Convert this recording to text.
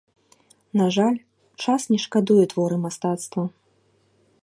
На жаль, час не шкадуе творы мастацтва.